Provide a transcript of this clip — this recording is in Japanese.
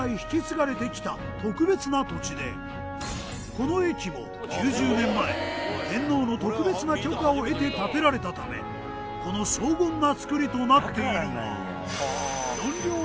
この駅も９０年前天皇の特別な許可を得て建てられたためこの荘厳な造りとなっているが。